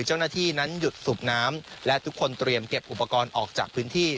เจ้าหน้าที่นั้นหยุดสูบน้ำและทุกคนเตรียมเก็บอุปกรณ์ออกจากพื้นที่